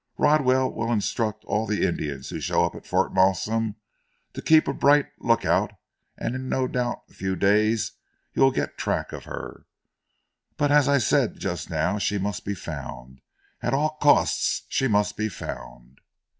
Rodwell will instruct all the Indians who show up at Fort Malsun to keep a bright look out and no doubt in a few days you will get track of her. But as I said just now, she must be found, at all costs she must be found!"